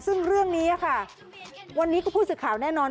ซึ่งเรื่องนี้ค่ะวันนี้ก็ผู้สื่อข่าวแน่นอน